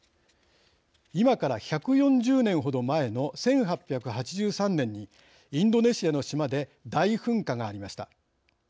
今から１４０年ほど前の１８８３年にインドネシアの島で大噴火がありました。